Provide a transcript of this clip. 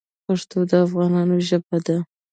پښتو د افغانانو ژبه ده.